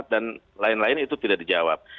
dan lain lain itu tidak dijawab